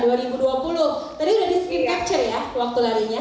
tadi sudah di screen capture ya waktu larinya